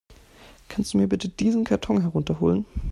Kannst du mir bitte diesen Karton herunter holen?